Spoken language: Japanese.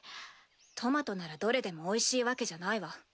トマトならどれでもおいしいわけじゃないわ。